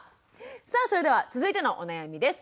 さあそれでは続いてのお悩みです。